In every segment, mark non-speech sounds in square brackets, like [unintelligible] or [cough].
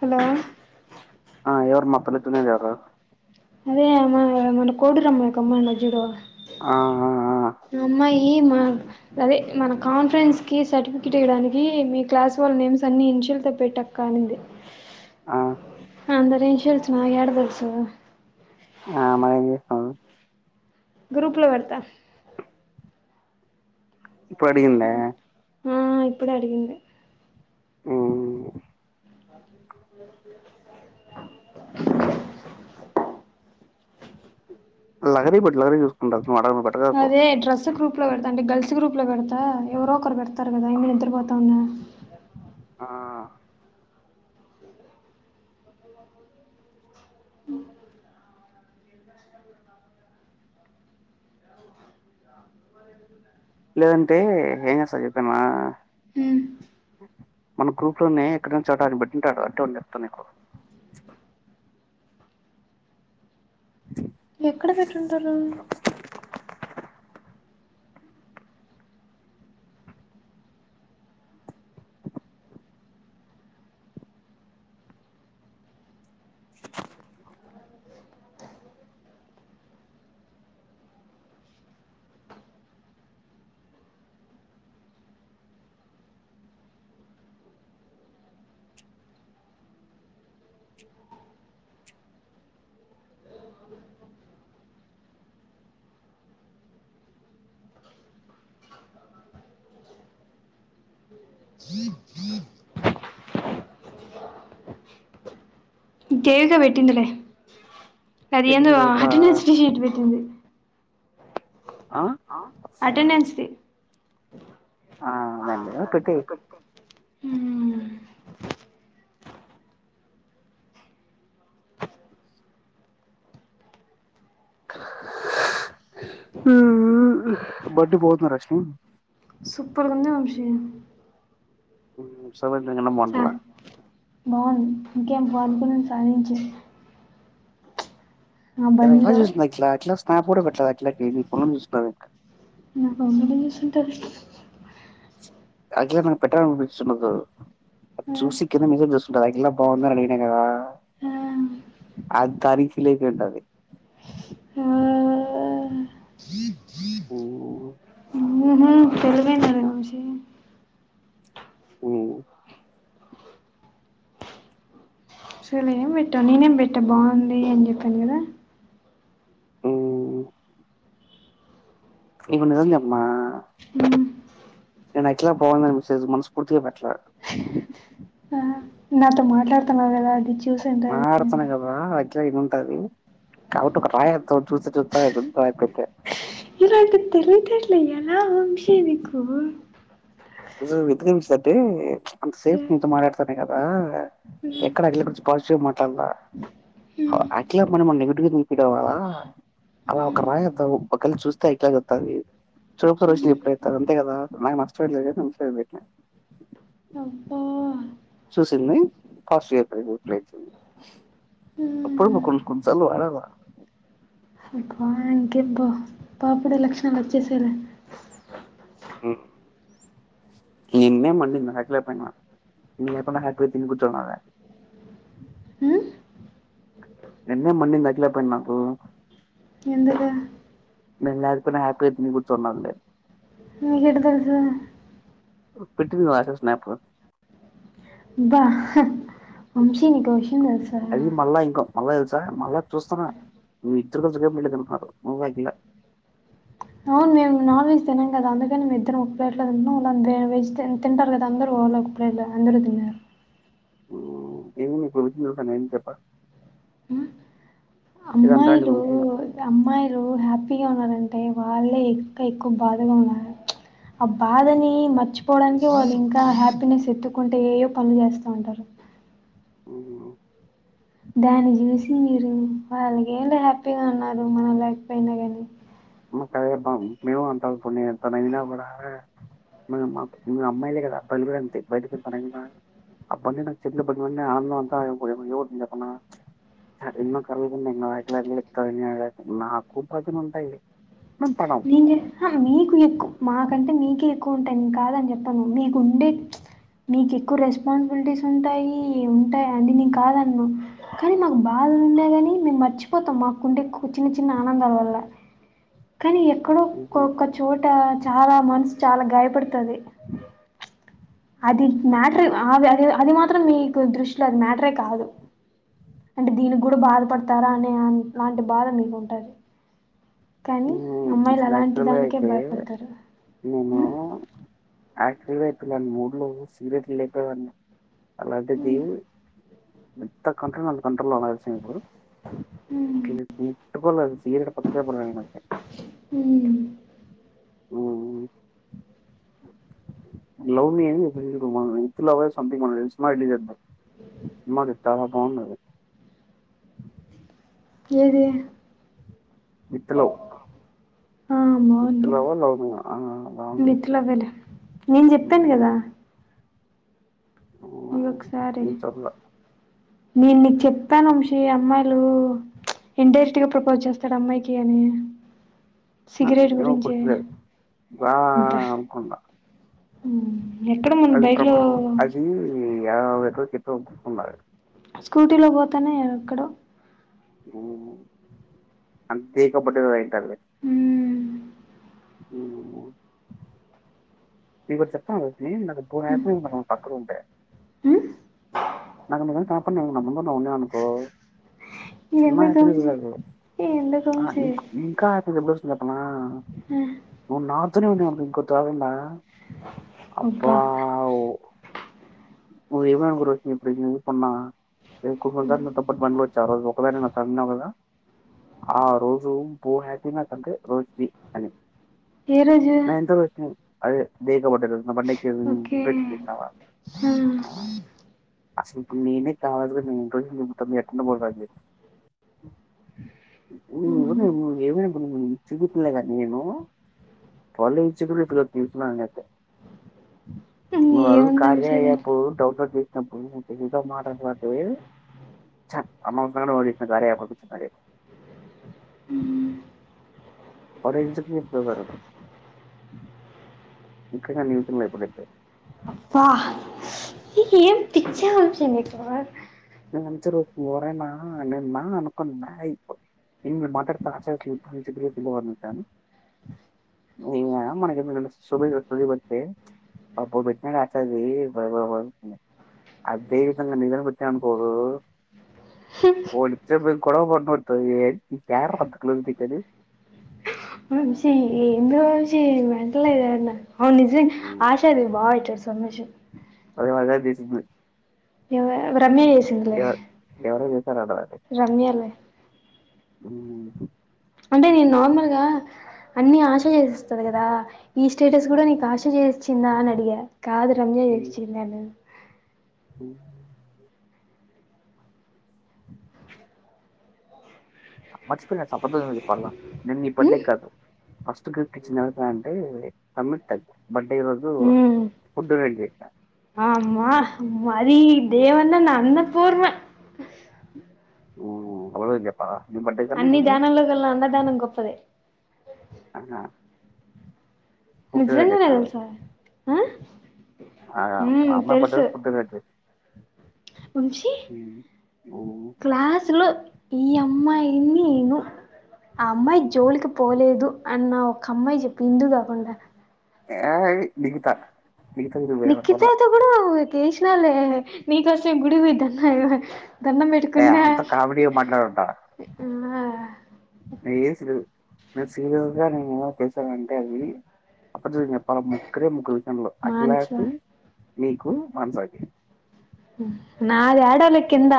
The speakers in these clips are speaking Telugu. హలో మత్తలతున్న గదరా అదే అమ మన కోడిరమ్మ కమ్మ నా జడు ఆ ఆ అమ్మాయి మా అదే మన కాన్ఫరెన్స్కి సర్టిఫికెట్ ఇవ్వడానికి మీ క్లాస్ వాళ్ళ నేమ్స్ అన్ని ఇన్షియల్తో పెట్టక్కనింది ఆ అందరీ ఇంషీయల్స్ నా ఎడదేల్స్ ఆ మరీ ఏం చేస్తావు గ్రూప్ లో పెడుత ఇపడిగింద ఆ ఇప్పుడు అడిగింది ఆ లహరీకి పెట్టు లహరి చూసుకుంటది అదే డ్రెస్ గ్రూప్ అంటే గల్స్ గ్రూప్ లో పెడతా త ఎవరో ఒకరు పెడ్తారు కదా నేను నిద్రపోతన ఆ అ లేదంటే ఏం చేస్తారు చెప్పామా హ్మ్ మనకు నే ఎక్కడి నుంచి అ బట్టింటాడు అట్టే ఉండి చెప్తాను ఇడు ఎక్కడ పెట్టుంటారు గేదె వెటిందిలే అది ఏందో పెట్టింది ఇక అటు నంచి ఇటు పెట్టింది ఆ అటెండెన్స్ది ఆ అదండి పెట్టేయ్ [inaudible] ఆ బడ్డీ బోతున్న రష్మ సూపర్ ఉంది వంశీ ఉ ఆ బాగుంది ఇంకేం పో అనుకుంది సాధించావ్ ఎలా చూసింది అట్లా అట్లా స్నాప్ కూడా పట్టదు అట్లా గేమి [inaudible] నా అ మస్ంటారు అ మ పెట్టాలిఅనిపించుండదు చూసికిద మీస్త ఇడు అగలా బాగుందని అడిగినా కదా అది తారీఖలేకంటది ఓ తెలివైనది వంశీ ఓ పెట్టా నేనేం పెట్టా బాగుంది అని చెప్పాను కదా ఇవ నిరజమ్మా ఏ నా అైకలా పోవ మిసెజస్ మనస్ఫూర్తి పెట్టల ఆ, నాతో మాట్లాడుతున్నావు కదా అది చూసంటది అజ ఉంటది కాబట్ ఒక రాయ చూస్తా చూస్తా రాపోట్ట ఇలా తెలుదర్ల ఎలా హంశే బకు వి నిమిష అ అంత సే మాట్లాడత కదా ఎక్కడలా గు పాజిటివ్గా మాట్లాడదా అట్లా మన మ నెగిటివ్గా నిలిపివాల అలా ఒక రా ఒకళ చూస్తే అట్లా చంది చూడ వచ్చిన ఎప్పుడవుతారు అంతే కదా నాకు నష్టపడలేదు సంసార్ బ అబ్బా సుశీల్ని కాస్ అప్పుడు మా కొంచ కొంచ చాలు వాడాల అ అకేబ్ బా పాపడే లక్షాలు వచ్చేసేద న్నే మండి హకప్పప్ప హ తి కూచద నిన్న మన్ని దట్లే పోయి నాకు ఎందుకు నిను లేకున్నా హాపీగా తిని కూర్చున్నండి మీకేట్టా తెలుసు పెట్టటిందిగా ఆశ స్నాప్ బ్బా వంశి నీకో విషయం తెలుసా అది మళ్ళా ఇంకో మళ్ళా తెలుసా మళ్ళా చూస్తున్న మీ ఇద్దరు వెళ్ళి వెళ్తున్నారు నువ్లా అవును నిను నాన్ వెజ్ తినంను కాద అ ఇద్దరం ఒక ప్లేట్ లో తింటన్నా వెజ్ తింటారు కదా అందరుళ ఒక ప్లేట్ లో అందరుూ తిన్నారు ఎం చెప్పండి ఉమ్, అమ్మాయిలు అమ్మాయిలు హ్యాపీ పిగా ఉన్నారంటే వాళ్ళే ఎక్కు ఎక్కువ బాధగా ఉన్నారు అని అర్ధం ఆ బాధని మర్చిపోవడానికి వాళ్ళు ఇన్ ఇంకా హ్యాపీనెస్ ఎత్తుకుంటే ఏయో పనులు చేస్తూ ఉంటారు అఓ దాన్ని చూసి మీరు వాళ్ళకి ఏళ్ళ హ్యాపీగా ఉన్నారు మనం లేకపోయినా కాని మాకు మేము అంత తగిన మీ అమ్మాయిలే కదా అబ్బాయి కూడా అంతే బయటిన అబ్బడి నా చెట్లు పడి ఆనందం అంతాకు ఎన్నో కరలు నాకు ప్రచన ఉంటాయి మేము పడం నీను మీకు ఎక్కువ మాకంటే మీకే ఎక్కువ ఉంటు నేను కాదని చెప్పను మీకు ఉండే మీకు ఎక్కువ రెస్పాన్సిబిలిటీస్ ఉంటాయి ఉంటాయి అండి నీను కాదన్ను కానీ మాకు బాద ఉన్నా కాని మేము మర్చిపోతాం మాకుండే చిన్న చిన్న ఆనందాల వల్ల కానీ ఎక్కడో ఒక్క చోట చాలా మనసు చాలా గాయపడుతది అది మ్యాటర్ అ అది అది మాత్రం మీకు దృష్టిలో అది మ్యాటరే కాదు అంటే దీనికి కూడా బాధపడతారా అనే లాంటి బాధ మీకు ఉంటది కానీ అమ్మాయిలు అలాంటి యాక్చువల్ గా దానికే అయితే భాయపడతారు యాక్చువల్గా అయిపోని మూడు లో సిగరెట్లు లేపోేదన్ని అలాంటి దీ ఎంత కంట్రోల్ లో అంటే అంత కంట్రోల్ లో ఉన్న తెల్సఇప్పుడు ముట్టుకోలే మీకంటే పత్తి వ్యాపారమే మాది హు హు లవ్ మి అని మొన్న సినిమా రిలీజ్ అయినది సినిమా చాలా బాగుంది ఏది విత్ లవ్ ఆ! విత్ బావుంది. లవ్ ఆ లవ్ మి ఆ హ విత్ లవ్వేలే. నేను హ చెప్పాను నీకొసారి నేను చదవల నేను నీకు చెప్పాన విషయం ఏ అమ్మాయి లు ఇంటైరెక్ట్గా ప్రపోజ్ చేస్తాడు అమ్మాయికి అని ఆ సిగరెట్ ఏమో గురించే. గుర్తులేదు ఆ ఆ అనుకుంటా హ్ ఎక్కడ మోన్న బైక్ లో అది [unintelligible] స్కూటీలో పోతేనే ఆక్కడ అంతే కపయింటారు హ్ హ్ మీకోటి చెప్పలీ [unintelligible] క్కడ ఉంటె హ్మ్. నాకు నిజంగా కనపండి నా ముందువున్నా అనుకో చిన్న ఎందుకు హ్యాపీనెస్ వంశీ? కాదు ఎందుకు ఆ వంశీ? ఇంకా హ్యాపీ ఎప్పుడు వస్తోంది చెప్పనా ఆ! మొన్న [unintelligible] అబ్బా ఓ ఎవ్వనికి రోజ [unintelligible] రేపూ కొంచెం [unintelligible] రోజు ఒక్కదానివే వస్తా అన్నావ్ కదా ఆ రోజు పూ హ్యాపీన తనది రోజు అని ఏ రోజు? నైంత్కు వచ్చినవ్ అదే బే పోతాడు బండెక్కి [unintelligible] హ్ అసలు నేనే కావ [unintelligible] [unintelligible] చికితులేగా నేను [unintelligible] తీసుకున్నా అయితే నువ్వు అడుగు ఏముంది కార్య వంశీ దాంట్లో యాప్ డౌన్లోడ్ చేసీ [unintelligible] హ్ బరే ఇంచాకు [unintelligible] ఇక్కడ న్యూస్ లేవు ఇప్పుడైతే అప్పా ఏం పిక్చర్ వచ్చింది ఇక్కడ [unintelligible] నిన్న అనుకున్నా మాట్లాడుత ఆచార్యాను [unintelligible] ఏం పోదు పోలిచ్చ [unintelligible] వంశి ఏందో ఎం మటలు ఇదన్న అవును నిజం ఆశా అది బాగా సమో ష అదే [unintelligible] సింది రమ్య చేసిందలే ఎవరో చేశారు అడ రమ్యాలే అ అంటే నేను నార్మల్గా అన్ని ఆశ చేసి వ కదా ఈ స్టేటస్ కూడా నీకు ఆశదె వచ్చిందా అని అడిగా కాదు రమ్య చేసిచింది అని హ మర్చిపోయిన సప్పదేం చెప్పాలా నం ఇ పడే ఉమ్ కాదు ఫస్ట్ క చిన్నతాంటే సమ్తక్ బడ్డే రోజు ఉమ్ ఫుడ్ డొనేట్ చేశా అమ్మా మరి దేవన్న నా అన్న పోర్మ ఉ అళు ఇద్యప్పా అన్ని దానంలో కల్లా అన్నదానం గొప్పదే ఆహా నిజంగా నెయిల్స్ ఆ ఆ ఉమ్ అమ్మా బడ్డే తెలుసు ఫుడ్ డొనేట్ ఉంచి క్లాసులో ఈ అమ్మాయిని నేను ఆ అమ్మాయి జోలికి పోలేదు అన్న ఒక అమ్మాయి చెప్పి ఇందు కాకుండా ఏ ఏ నికితా నిఖిత కూడాడువు చేసినలే నీకోసం గుడి కి పోయి దండం హా దండం ఏ పెట్టుకున్న అంత కామెడీ మాట్లాడుంటా ఆ మీరు సీరియస్ గా నేను ఏదో చేసాను అంటే అది పాపం ముగ్గురే ముగ్గురు వచ్చింద్రు మాన్స అట్లాసి మీకు మానస కి నాదాడలాలే కిింద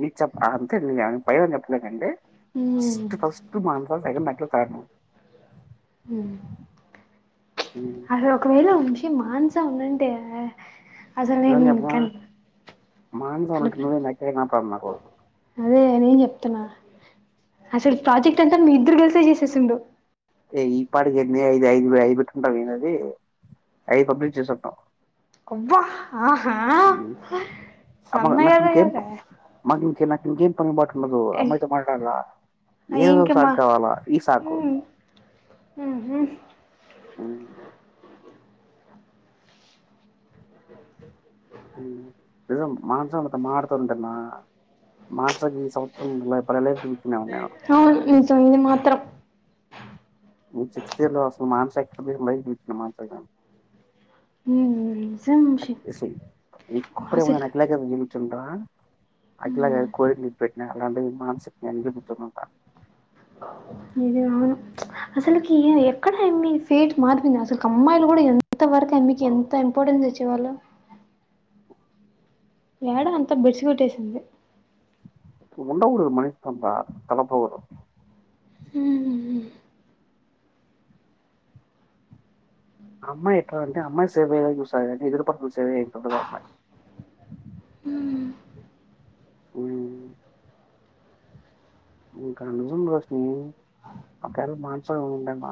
నీకు చెప్ప అంతే న పైని చెప్పలేకండి ఇస్ ఉమ్ ఫస్ట్ మ సెకండ్ మట్ చడ హ అది ఒకవేళ ఉంచి ే మానస ఉందంటే నిజం చెప్పు మాంస ఉన్నంటక నాప్పడన్నాక అదే నేను అసలు ప్రాజెక్ట్ అంతా మీ ఇద్దరు కలిసే చేసేసిండు ఏ ఈ పాటికి ఎ ఐదు ఐదు ఐదుట్ంట వినది ఐదు అప్పుడుచ్చ సం కొవ్వ ఆహా అమ్మ సన్న నాకు కదా కదా [unintelligible] మ్ములు అమ్మాయితో మాట్లాడాలా అయి ఏదో ఇంకా మా సాకు కావాల ఈ సాకు ఉమ్ ఉహు హమ్ జం మానసఒళ్ళతో మాడ్ టనా మాన్సక్ ఈ సంవత్సరం ల్ల పడలే అవును నిజం ఇది మాత్రం మ్ చిట్టిల్ రాసు మా [unintelligible] మాన్సకి నేన్ ఊ అసలు [unintelligible] చంటా అట్లాగె కో ఎడ్ని పె అలాంటి విమానం సీట్కి ఎనికి కుర్చోనుంట ఇది అవును అసలికి ఎక్కడ ఏంది ఫేట్ మారిపోంది అసల్కి అమ్మాయిలు గుడా ఎంత వరకు ఎ మీక్ ఎంత ఇంపార్టెన్స్ ఇచ్చేవాళ్ళు ఏడ అంత బెడిసి కొట్టేసింది ఉండ ఊరు మనిస్ తండ తలపొగరు ఉమ్ అ అమ్మాయి ఎట్లా అంటె అ అమ్మాయి సేవ అయేదే చుస్తది ఇద్ధరిపక్ [unintelligible] అమ్మయి ఉమ్ ఉ ఇంకా నిజం రోష్ని ఒకేల మాన్స ఏ ఉండయమ్మా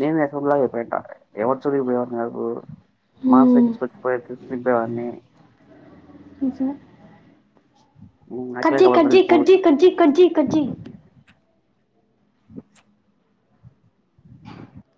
నేను ఎలాంట ఎవరి చూరు ఇప్పుడు ఎవరికు ఉమ్ మాన్స్కి స్పే [unintelligible] న్ని నిజ కట్ అట్లే జెయ్ కట్ జేయ్ కట్ కాబట్టి జే కట్ జే కట్ జే కట్ జే [inaudible]